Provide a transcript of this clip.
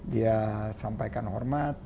dia sampaikan hormat